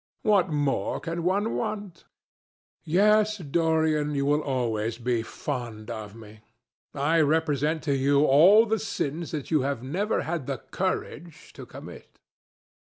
What more can one want? Yes, Dorian, you will always be fond of me. I represent to you all the sins you have never had the courage to commit."